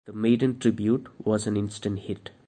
The "Maiden Tribute" was an instant hit.